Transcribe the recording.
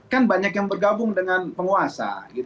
kan banyak yang bergabung dengan penguasa